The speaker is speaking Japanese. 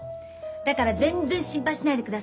だから全然心配しないでください。